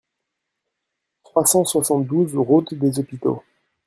trois cent soixante-douze route des Hôpitaux